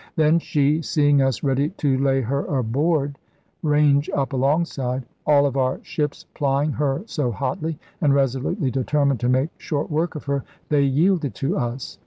Then she, seeing us ready to lay her aboard [range up alongside], all of our ships plying her so hotly, and resolutely determined to make short work of her, they yielded to us.